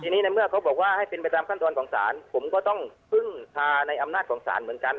ทีนี้ในเมื่อเขาบอกว่าให้เป็นไปตามขั้นตอนของศาลผมก็ต้องพึ่งพาในอำนาจของศาลเหมือนกัน